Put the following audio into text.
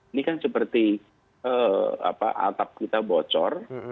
ini kan seperti atap kita bocor